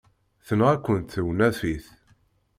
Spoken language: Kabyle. Tenɣa-kent tewnafit.